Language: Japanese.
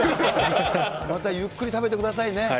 またゆっくり食べてくださいね。